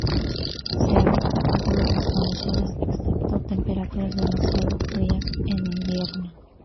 Se adapta a todas las condiciones excepto temperaturas demasiado frías en invierno.